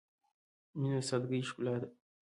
• مینه د سادګۍ ښکلا ده.